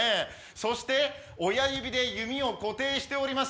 そして親指で弓を固定しております。